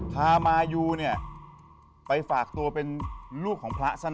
ท่านก็